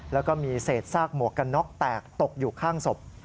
แล้วก็มีเศษซากหมวกกันน็อกแตกตกอยู่ข้างศพ